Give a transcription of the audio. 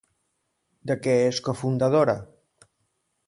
De què és cofundadora?